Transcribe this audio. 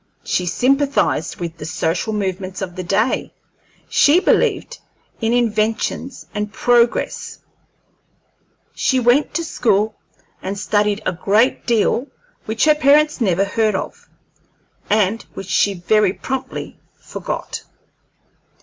She sympathized with the social movements of the day; she believed in inventions and progress; she went to school and studied a great deal which her parents never heard of, and which she very promptly forgot.